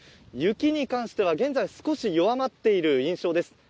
雪に関しては現在少し弱まっている印象です。